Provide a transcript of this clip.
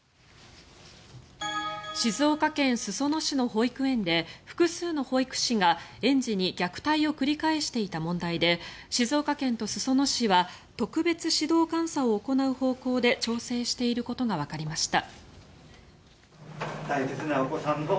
静岡県裾野市の保育園で複数の保育士が園児に虐待を繰り返していた問題で静岡県と裾野市は特別指導監査を行う方向で調整していることがわかりました。